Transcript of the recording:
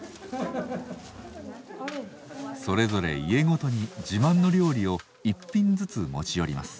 それぞれ家ごとに自慢の料理を１品ずつ持ち寄ります。